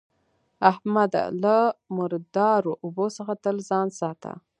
احمده! له مردارو اوبو څخه تل ځان ساته.